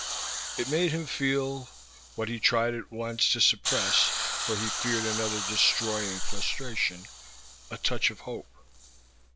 It made him feel what he tried at once to suppress, for he feared another destroying frustration a touch of hope.